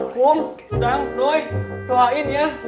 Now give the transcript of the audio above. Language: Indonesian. bum dang doi doain ya